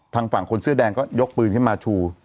ทางฝั่งคนเสื้อแดงก็ยกปืนขึ้นมาชู